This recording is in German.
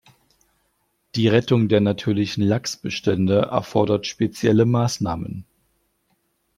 Die Rettung der natürlichen Lachsbestände erfordert spezielle Maßnahmen.